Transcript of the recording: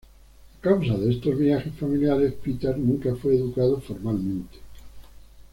A causa de estos viajes familiares, Peter nunca fue educado formalmente.